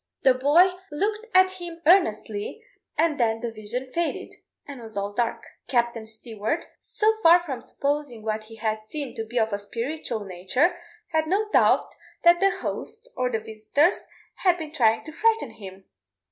The boy looked at him earnestly, and then the vision faded, and all was dark. Captain Stewart, so far from supposing what he had seen to be of a spiritual nature, had no doubt that the host, or the visitors, had been trying to frighten him.